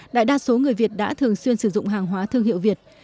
đại đa số người việt đã thường xuyên sử dụng hàng hóa thương hiệu việt